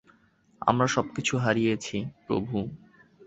আমরা সবকিছু হারিয়েছি, প্রভু।